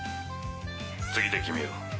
次で決めよう。